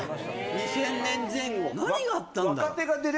２０００年前後何があったんだろう？